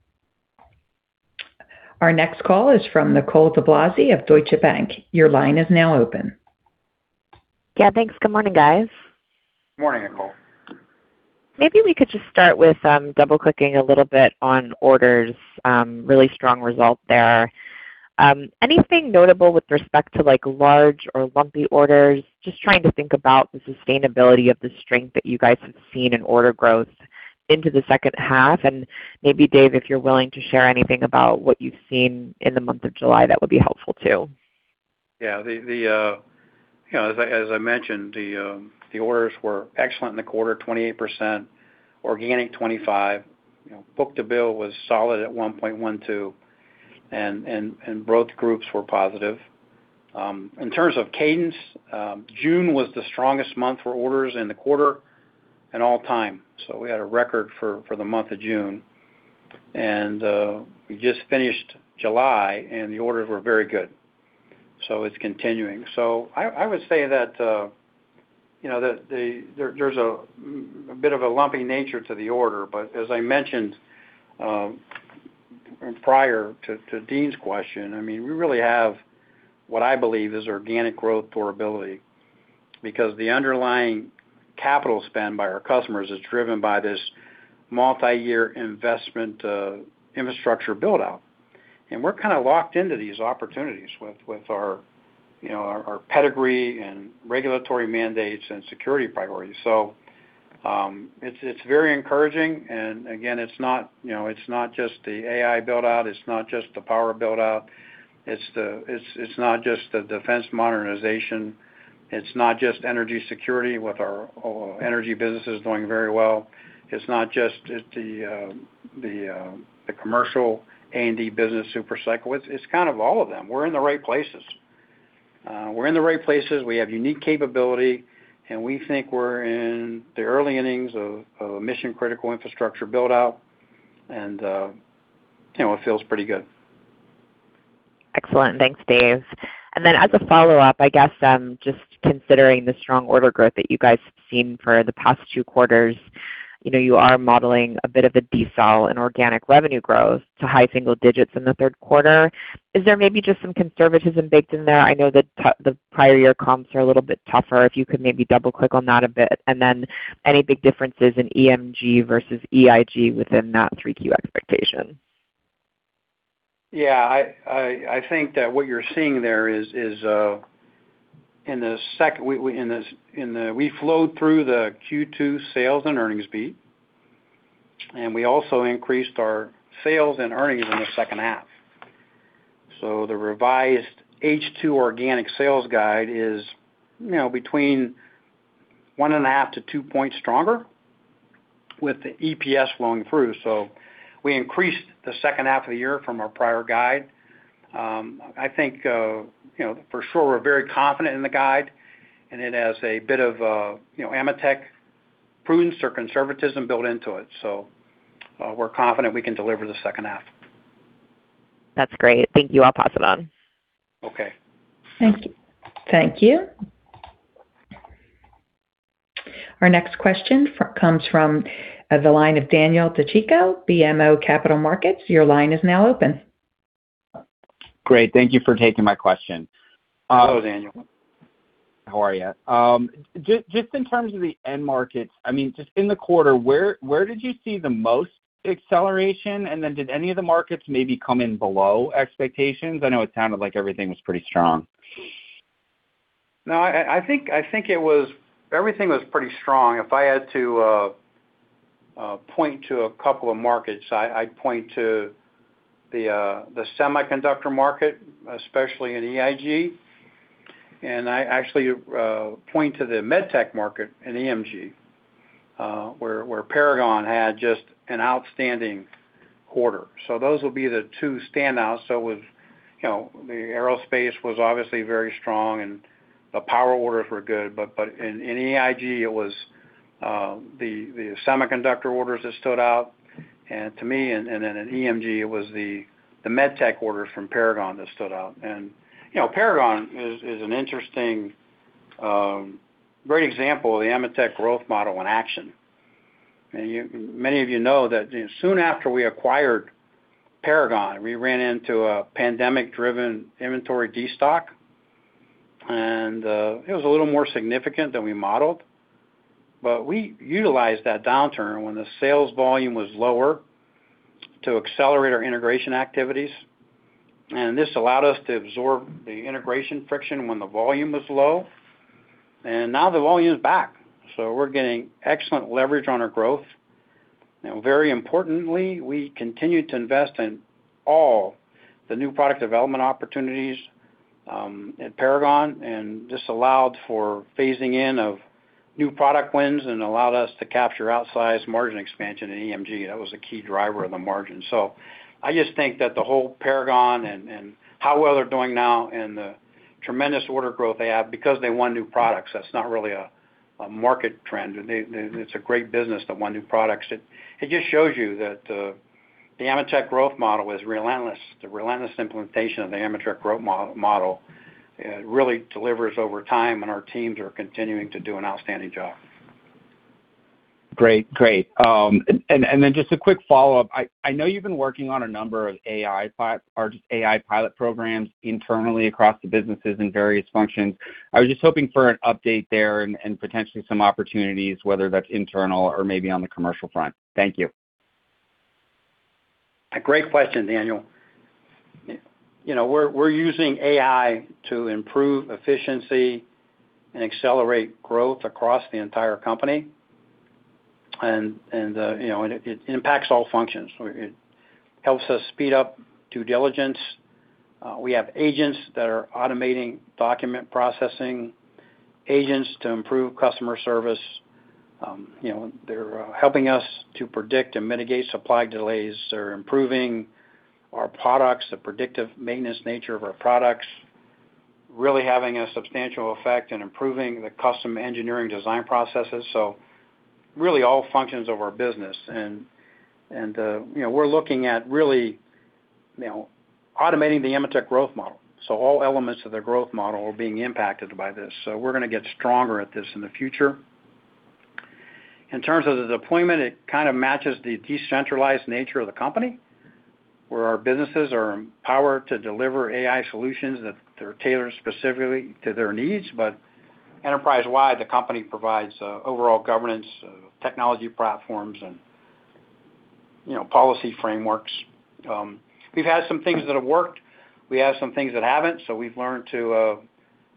S1: Our next call is from Nicole DeBlase of Deutsche Bank. Your line is now open.
S7: Yeah, thanks. Good morning, guys.
S3: Good morning, Nicole.
S7: Maybe we could just start with double-clicking a little bit on orders. Really strong result there. Anything notable with respect to large or lumpy orders? Just trying to think about the sustainability of the strength that you guys have seen in order growth into the second half. Maybe, Dave, if you're willing to share anything about what you've seen in the month of July, that would be helpful too.
S3: Yeah. As I mentioned, the orders were excellent in the quarter, 28%, organic 25%. Book-to-bill was solid at 1.12, and both groups were positive. In terms of cadence, June was the strongest month for orders in the quarter and all-time. We had a record for the month of June. We just finished July, and the orders were very good. It's continuing. I would say that there's a bit of a lumpy nature to the order. As I mentioned prior to Deane's question, we really have what I believe is organic growth durability, because the underlying capital spend by our customers is driven by this multi-year investment infrastructure build-out. We're kind of locked into these opportunities with our pedigree and regulatory mandates and security priorities. It's very encouraging, and again, it's not just the AI build-out, it's not just the power build-out, it's not just the defense modernization, it's not just energy security with our energy businesses doing very well. It's not just the commercial A&D business super cycle. It's kind of all of them. We're in the right places. We're in the right places, we have unique capability, and we think we're in the early innings of a mission-critical infrastructure build-out, and it feels pretty good.
S7: Excellent. Thanks, David. As a follow-up, I guess, just considering the strong order growth that you guys have seen for the past two quarters, you are modeling a bit of a decelerate in organic revenue growth to high single digits in the third quarter. Is there maybe just some conservatism baked in there? I know that the prior year comps are a little bit tougher, if you could maybe double-click on that a bit. Any big differences in EMG versus EIG within that 3Q expectation?
S3: I think that what you're seeing there is we flowed through the Q2 sales and earnings beat, and we also increased our sales and earnings in the second half. The revised H2 organic sales guide is between one and a half to two points stronger with the EPS flowing through. We increased the second half of the year from our prior guide. I think for sure we're very confident in the guide, and it has a bit of AMETEK prudence or conservatism built into it. We're confident we can deliver the second half.
S7: That's great. Thank you. I'll pass it on.
S3: Okay.
S1: Thank you. Our next question comes from the line of Daniel DiCicco, BMO Capital Markets. Your line is now open.
S8: Great. Thank you for taking my question.
S3: Hello, Daniel.
S8: How are you? Just in terms of the end markets, just in the quarter, where did you see the most acceleration, did any of the markets maybe come in below expectations? I know it sounded like everything was pretty strong.
S3: I think everything was pretty strong. If I had to point to a couple of markets, I'd point to the semiconductor market, especially in EIG, I actually point to the med tech market in EMG, where Paragon had just an outstanding quarter. Those will be the two standouts. The aerospace was obviously very strong, the power orders were good, but in EIG, it was the semiconductor orders that stood out to me, in EMG, it was the med tech orders from Paragon that stood out. Paragon is an interesting, great example of the AMETEK growth model in action. Many of you know that soon after we acquired Paragon, we ran into a pandemic-driven inventory destock, it was a little more significant than we modeled. We utilized that downturn when the sales volume was lower to accelerate our integration activities, this allowed us to absorb the integration friction when the volume was low. Now the volume's back, we're getting excellent leverage on our growth. Very importantly, we continue to invest in all the new product development opportunities at Paragon, this allowed for phasing in of new product wins and allowed us to capture outsized margin expansion in EMG. That was a key driver of the margin. I just think that the whole Paragon and how well they're doing now and the tremendous order growth they have because they won new products, that's not really a market trend. It's a great business that won new products. It just shows you that the AMETEK growth model is relentless. The relentless implementation of the AMETEK growth model really delivers over time, and our teams are continuing to do an outstanding job.
S8: Just a quick follow-up. I know you've been working on a number of AI pilot programs internally across the businesses in various functions. I was just hoping for an update there and potentially some opportunities, whether that's internal or maybe on the commercial front. Thank you.
S3: A great question, Daniel. We're using AI to improve efficiency and accelerate growth across the entire company, and it impacts all functions. It helps us speed up due diligence. We have agents that are automating document processing, agents to improve customer service. They're helping us to predict and mitigate supply delays. They're improving our products, the predictive maintenance nature of our products, really having a substantial effect in improving the custom engineering design processes. Really all functions of our business. We're looking at really automating the AMETEK growth model. All elements of the growth model are being impacted by this. We're going to get stronger at this in the future. In terms of the deployment, it kind of matches the decentralized nature of the company, where our businesses are empowered to deliver AI solutions that are tailored specifically to their needs. Enterprise-wide, the company provides overall governance of technology platforms and policy frameworks. We've had some things that have worked. We have some things that haven't. We've learned to,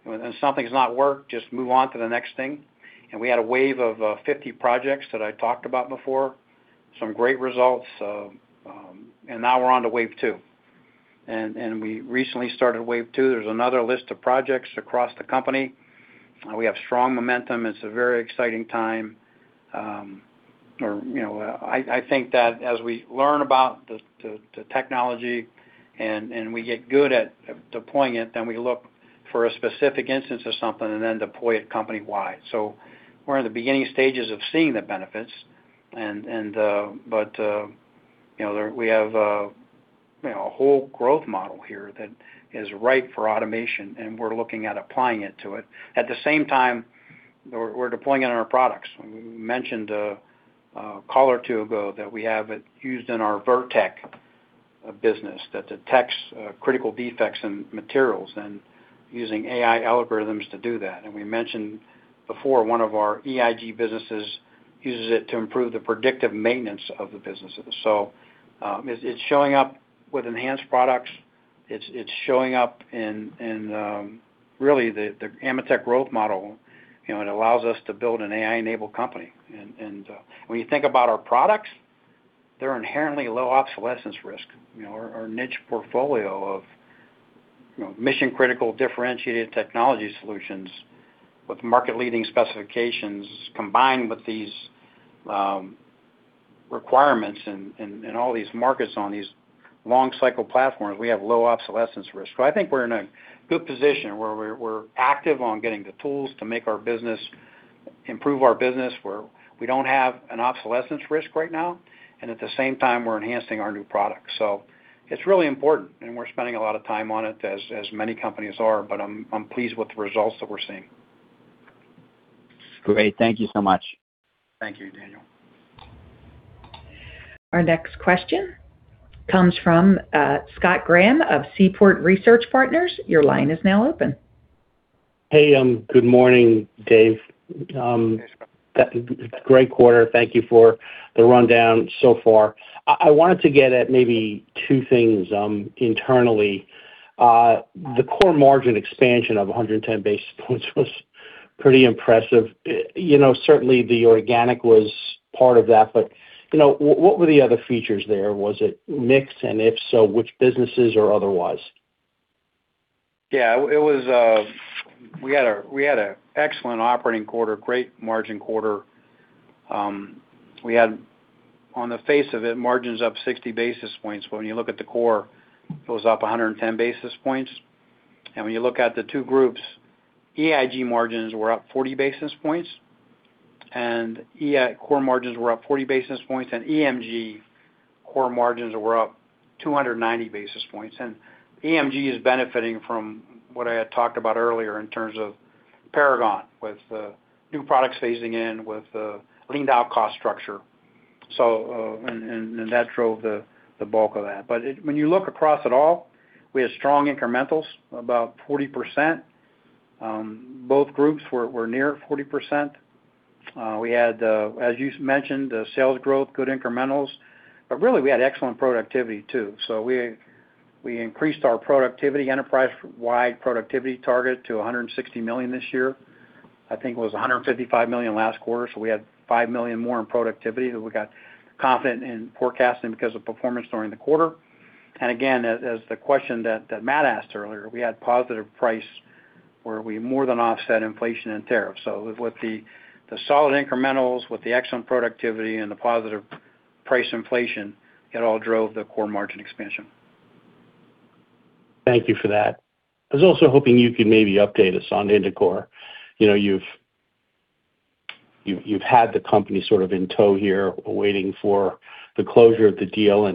S3: when something's not worked, just move on to the next thing. We had a wave of 50 projects that I talked about before, some great results. Now we're on to wave two. We recently started wave two. There's another list of projects across the company. We have strong momentum. It's a very exciting time. I think that as we learn about the technology and we get good at deploying it, we look for a specific instance of something and then deploy it company-wide. We're in the beginning stages of seeing the benefits. But we have a whole AMETEK growth model here that is ripe for automation, and we're looking at applying it to it. We're deploying it in our products. We mentioned a call or two ago that we have it used in our Virtek business that detects critical defects in materials and using AI algorithms to do that. We mentioned before, one of our EIG businesses uses it to improve the predictive maintenance of the businesses. It's showing up with enhanced products. It's showing up in, really, the AMETEK growth model. It allows us to build an AI-enabled company. When you think about our products, they're inherently low obsolescence risk. Our niche portfolio of mission-critical differentiated technology solutions with market-leading specifications, combined with these requirements in all these markets on these long-cycle platforms, we have low obsolescence risk. I think we're in a good position where we're active on getting the tools to make our business improve our business, where we don't have an obsolescence risk right now, and at the same time, we're enhancing our new products. It's really important, and we're spending a lot of time on it, as many companies are, but I'm pleased with the results that we're seeing.
S8: Great. Thank you so much.
S3: Thank you, Daniel.
S1: Our next question comes from Scott Graham of Seaport Research Partners. Your line is now open.
S9: Hey, good morning, Dave.
S3: Hey, Scott.
S9: Great quarter. Thank you for the rundown so far. I wanted to get at maybe two things internally. The core margin expansion of 110 basis points was pretty impressive. Certainly, the organic was part of that, but what were the other features there? Was it mix, and if so, which businesses or otherwise?
S3: We had an excellent operating quarter, great margin quarter. We had, on the face of it, margins up 60 basis points, but when you look at the core, it was up 110 basis points. When you look at the two groups, EIG margins were up 40 basis points, and EIG core margins were up 40 basis points, and EMG core margins were up 290 basis points. EMG is benefiting from what I had talked about earlier in terms of Paragon, with new products phasing in, with a leaned-out cost structure. That drove the bulk of that. When you look across it all, we had strong incrementals, about 40%. Both groups were near 40%. We had, as you mentioned, sales growth, good incrementals, but really, we had excellent productivity, too. We increased our productivity, enterprise-wide productivity target to $160 million this year. I think it was $155 million last quarter, we had $5 million more in productivity that we got confident in forecasting because of performance during the quarter. Again, as the question that Matt asked earlier, we had positive price where we more than offset inflation and tariffs. With the solid incrementals, with the excellent productivity, and the positive price inflation, it all drove the core margin expansion.
S9: Thank you for that. I was also hoping you could maybe update us on Indicor Instrumentation. You've had the company sort of in tow here, waiting for the closure of the deal.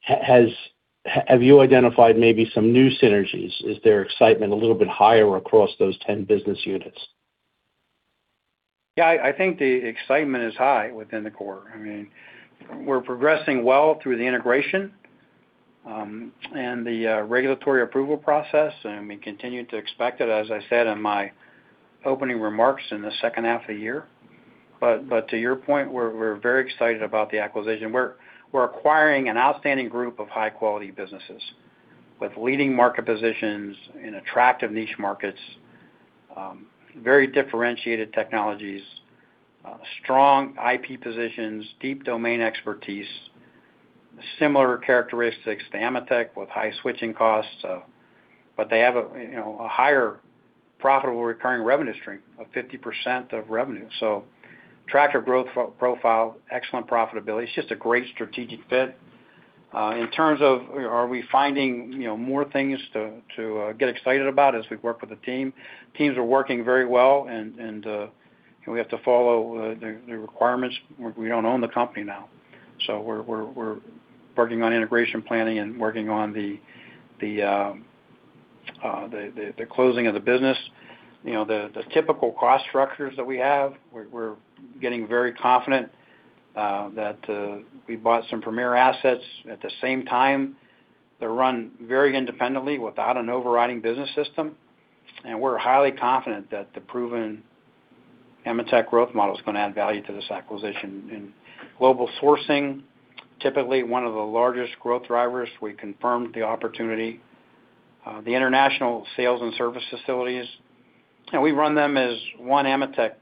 S9: Have you identified maybe some new synergies? Is their excitement a little bit higher across those 10 business units?
S3: I think the excitement is high within the core. We're progressing well through the integration and the regulatory approval process, we continue to expect it, as I said in my opening remarks, in the second half of the year. To your point, we're very excited about the acquisition. We're acquiring an outstanding group of high-quality businesses with leading market positions in attractive niche markets, very differentiated technologies, strong IP positions, deep domain expertise, similar characteristics to AMETEK with high switching costs. They have a higher profitable recurring revenue stream of 50% of revenue. Attractive growth profile, excellent profitability. It's just a great strategic fit. In terms of, are we finding more things to get excited about as we work with the team? Teams are working very well, and we have to follow their requirements. We don't own the company now, so we're working on integration planning and working on the closing of the business. The typical cost structures that we have, we're getting very confident that we bought some premier assets. At the same time, they're run very independently without an overriding business system. We're highly confident that the proven AMETEK growth model is going to add value to this acquisition. In global sourcing, typically one of the largest growth drivers, we confirmed the opportunity. The international sales and service facilities, we run them as one AMETEK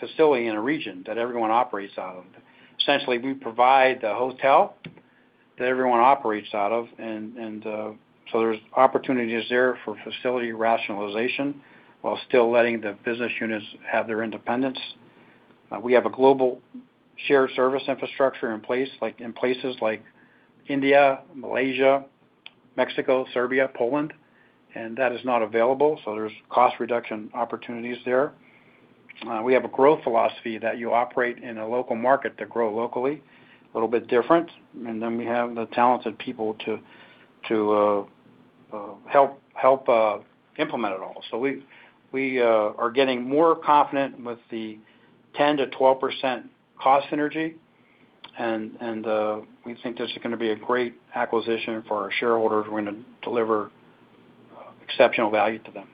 S3: facility in a region that everyone operates out of. Essentially, we provide the hotel that everyone operates out of, there's opportunities there for facility rationalization while still letting the business units have their independence. We have a global shared service infrastructure in place in places like India, Malaysia, Mexico, Serbia, Poland, that is not available, so there's cost reduction opportunities there. We have a growth philosophy that you operate in a local market to grow locally, a little bit different. We have the talented people to help implement it all. We are getting more confident with the 10%-12% cost synergy, we think this is going to be a great acquisition for our shareholders. We're going to deliver exceptional value to them.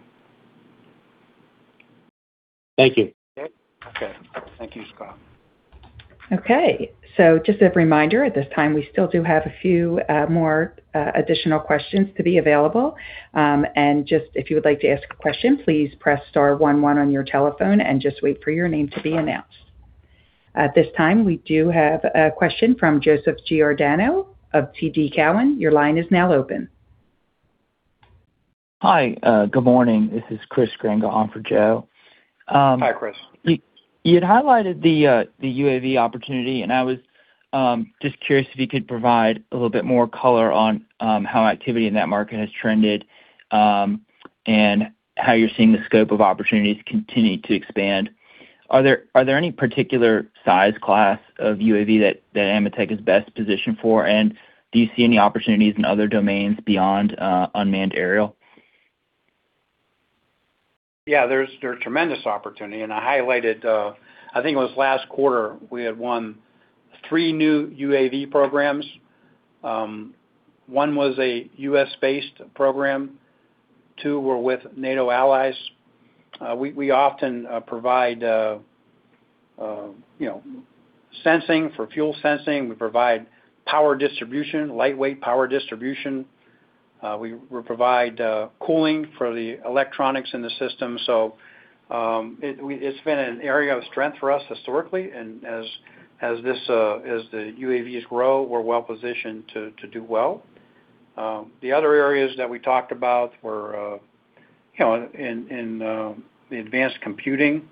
S9: Thank you.
S3: Okay. Thank you, Scott.
S1: Okay, just a reminder, at this time, we still do have a few more additional questions to be available. If you would like to ask a question, please press star one one on your telephone and just wait for your name to be announced. At this time, we do have a question from Joseph Giordano of TD Cowen. Your line is now open.
S10: Hi. Good morning. This is Chris Krueger on for Joe.
S3: Hi, Chris.
S10: You had highlighted the UAV opportunity, I was just curious if you could provide a little bit more color on how activity in that market has trended, and how you're seeing the scope of opportunities continue to expand. Are there any particular size class of UAV that AMETEK is best positioned for, and do you see any opportunities in other domains beyond unmanned aerial?
S3: Yeah, there's tremendous opportunity. I highlighted, I think it was last quarter, we had won three new UAV programs. One was a U.S.-based program, two were with NATO allies. We often provide sensing for fuel sensing, we provide power distribution, lightweight power distribution. We provide cooling for the electronics in the system. It's been an area of strength for us historically, and as the UAVs grow, we're well-positioned to do well. The other areas that we talked about were in the advanced computing,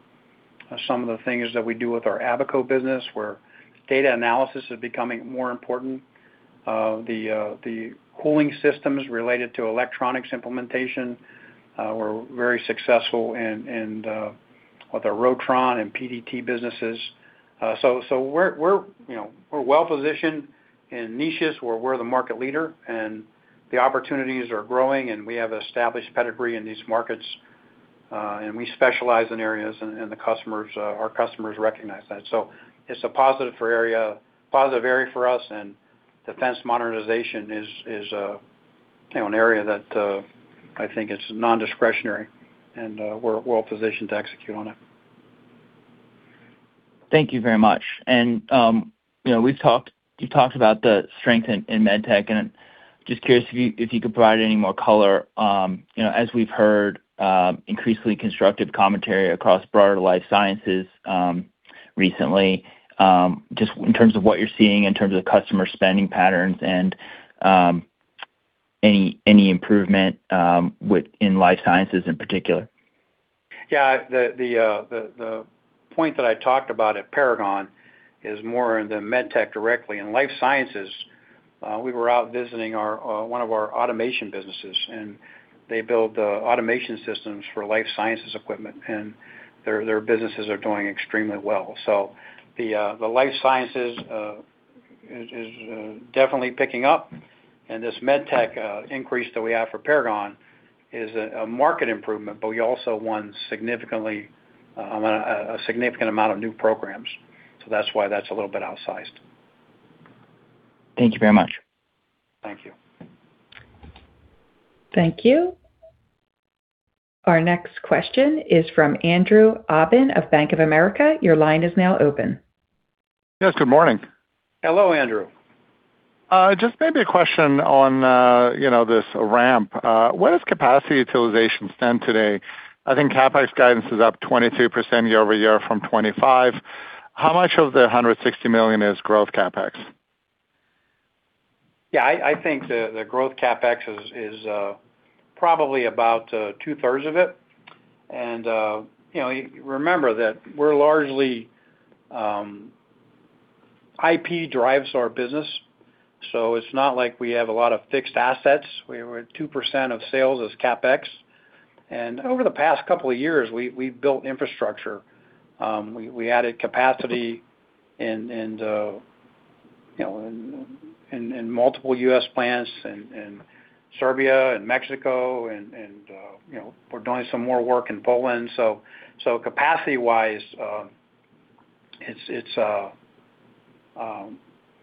S3: some of the things that we do with our Abaco business, where data analysis is becoming more important. The cooling systems related to electronics implementation, we're very successful with our Rotron and PDT businesses. We're well-positioned in niches where we're the market leader. The opportunities are growing. We have established pedigree in these markets. We specialize in areas, and our customers recognize that. It's a positive area for us. Defense modernization is an area that I think is non-discretionary, and we're well-positioned to execute on it.
S10: Thank you very much. You've talked about the strength in med tech, and just curious if you could provide any more color. We've heard, increasingly constructive commentary across broader life sciences recently, just in terms of what you're seeing, in terms of customer spending patterns and any improvement in life sciences in particular.
S3: Yeah. The point that I talked about at Paragon is more in the med tech directly. In life sciences, we were out visiting one of our automation businesses. They build automation systems for life sciences equipment, and their businesses are doing extremely well. The life sciences is definitely picking up. This med tech increase that we have for Paragon is a market improvement, but we also won a significant amount of new programs. That's why that's a little bit outsized.
S10: Thank you very much.
S3: Thank you.
S1: Thank you. Our next question is from Andrew Obin of Bank of America. Your line is now open.
S11: Yes, good morning.
S3: Hello, Andrew.
S11: Just maybe a question on this ramp. Where does capacity utilization stand today? I think CapEx guidance is up 22% year-over-year from 25%. How much of the $160 million is growth CapEx?
S3: Yeah, I think the growth CapEx is probably about two-thirds of it. Remember that we're largely, IP drives our business, so it's not like we have a lot of fixed assets, where 2% of sales is CapEx. Over the past couple of years, we've built infrastructure. We added capacity in multiple U.S. plants, in Serbia and Mexico, and we're doing some more work in Poland. Capacity-wise,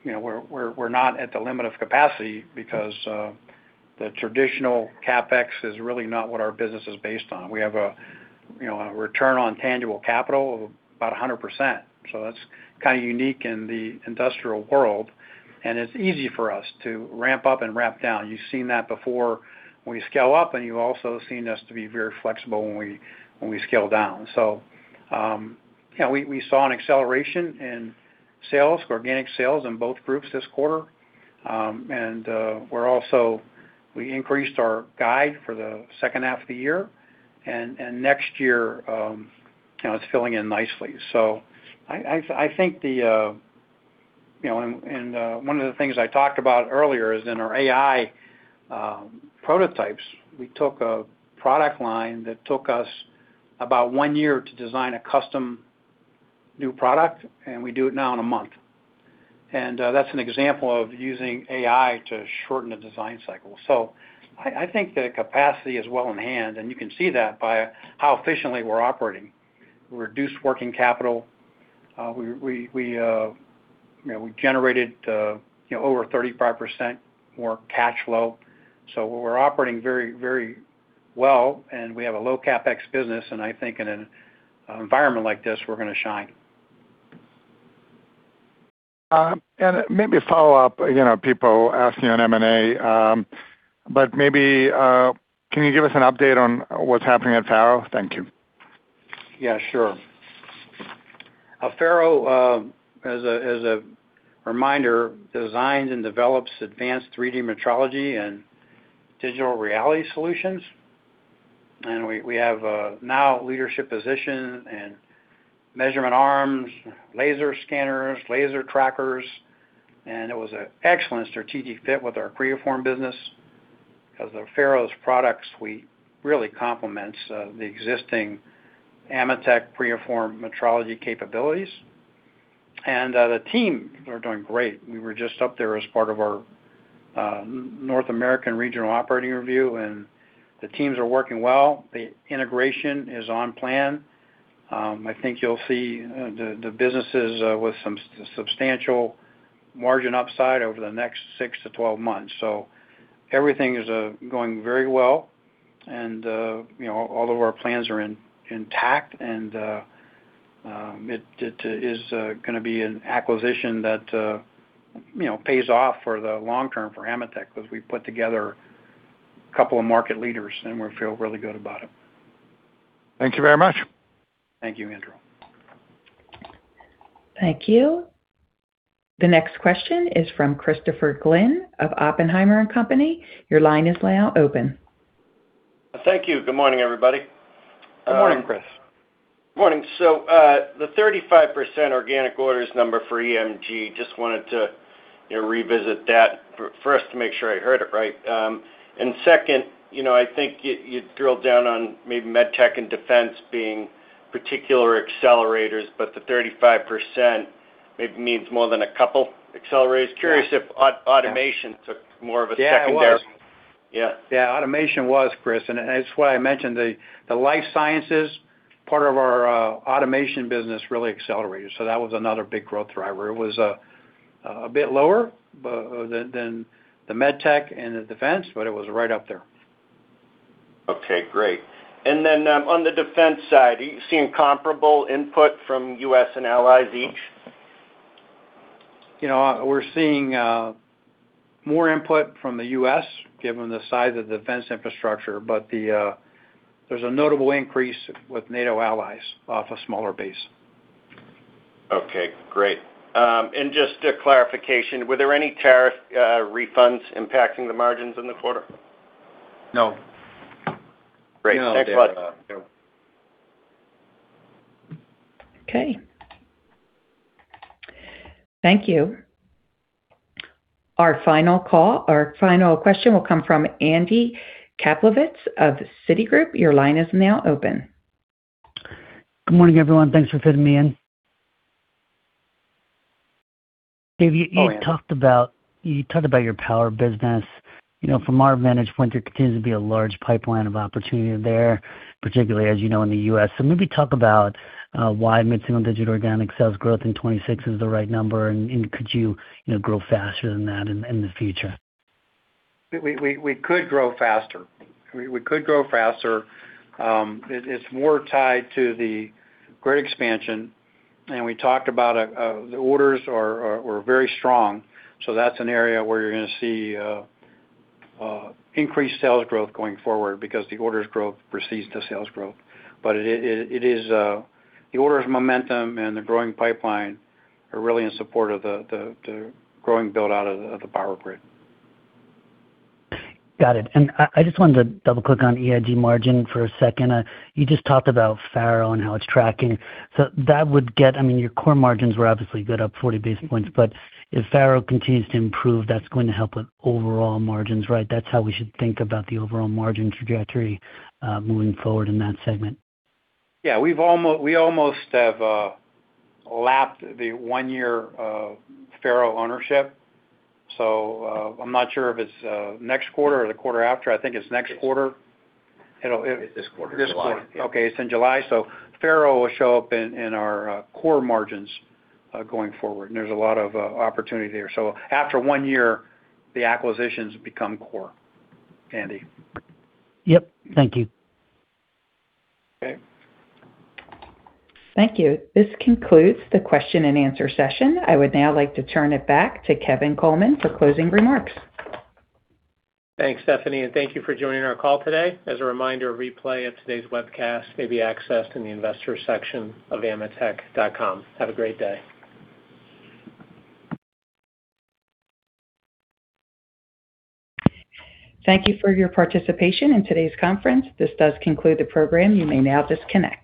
S3: we're not at the limit of capacity because the traditional CapEx is really not what our business is based on. We have a return on tangible capital of about 100%. That's kind of unique in the industrial world, and it's easy for us to ramp up and ramp down. You've seen that before when we scale up, and you've also seen us to be very flexible when we scale down. We saw an acceleration in sales, organic sales in both groups this quarter. We increased our guide for the H2 of the year. Next year, it's filling in nicely. One of the things I talked about earlier is in our AI prototypes, we took a product line that took us about one year to design a custom new product, and we do it now in a month. That's an example of using AI to shorten the design cycle. I think the capacity is well in hand, and you can see that by how efficiently we're operating. We reduced working capital. We generated over 35% more cash flow. We're operating very well and we have a low CapEx business, and I think in an environment like this, we're going to shine.
S11: Maybe a follow-up. People asking on M&A, maybe, can you give us an update on what's happening at FARO? Thank you.
S3: Yeah, sure. FARO, as a reminder, designs and develops advanced 3D metrology and digital reality solutions. We have now a leadership position in measurement arms, laser scanners, laser trackers, it was an excellent strategic fit with our Creaform business, because of FARO's products, we really complement the existing AMETEK Creaform metrology capabilities. The team are doing great. We were just up there as part of our North American regional operating review, the teams are working well. The integration is on plan. I think you'll see the businesses with some substantial margin upside over the next 6 to 12 months. Everything is going very well, all of our plans are intact, it is going to be an acquisition that pays off for the long term for AMETEK, because we put together a couple of market leaders, we feel really good about it.
S11: Thank you very much.
S3: Thank you, Andrew.
S1: Thank you. The next question is from Christopher Glynn of Oppenheimer & Co. Your line is now open.
S12: Thank you. Good morning, everybody.
S3: Good morning, Chris.
S12: Morning. The 35% organic orders number for EMG, just wanted to revisit that first to make sure I heard it right. Second, I think you drilled down on maybe med tech and defense being particular accelerators, the 35% maybe means more than a couple accelerators. Curious if automation took more of a secondary.
S3: Yeah.
S12: Yeah.
S3: Automation was, Chris, that's why I mentioned the life sciences part of our automation business really accelerated. That was another big growth driver. It was a bit lower than the med tech and the defense, but it was right up there.
S12: Okay, great. Then, on the defense side, are you seeing comparable input from U.S. and allies each?
S3: We're seeing more input from the U.S., given the size of the defense infrastructure, there's a notable increase with NATO allies off a smaller base.
S12: Okay, great. Just a clarification, were there any tariff refunds impacting the margins in the quarter?
S3: No.
S12: Great. Thanks a lot.
S3: No.
S1: Okay. Thank you. Our final question will come from Andy Kaplowitz of Citigroup. Your line is now open.
S13: Good morning, everyone. Thanks for fitting me in.
S3: Morning
S13: You talked about your power business. From our vantage point, there continues to be a large pipeline of opportunity there, particularly as you know, in the U.S. Maybe talk about why mid-single digit organic sales growth in 2026 is the right number, and could you grow faster than that in the future?
S3: We could grow faster. It's more tied to the grid expansion. We talked about the orders were very strong, that's an area where you're going to see increased sales growth going forward because the orders growth precedes the sales growth. The orders momentum and the growing pipeline are really in support of the growing build-out of the power grid.
S13: Got it. I just wanted to double-click on EIG margin for a second. You just talked about FARO and how it's tracking. Your core margins were obviously good, up 40 basis points, but if FARO continues to improve, that's going to help with overall margins, right? That's how we should think about the overall margin trajectory, moving forward in that segment.
S3: Yeah. We almost have lapped the one-year FARO ownership. I'm not sure if it's next quarter or the quarter after. I think it's next quarter. It's this quarter. July. This quarter. Okay. It's in July, FARO will show up in our core margins, going forward. There's a lot of opportunity there. After one year, the acquisitions become core, Andy.
S13: Yep. Thank you.
S3: Okay.
S1: Thank you. This concludes the question-and answer session. I would now like to turn it back to Kevin Coleman for closing remarks.
S2: Thanks, Stephanie, and thank you for joining our call today. As a reminder, a replay of today's webcast may be accessed in the investor section of ametek.com. Have a great day.
S1: Thank you for your participation in today's conference. This does conclude the program. You may now disconnect.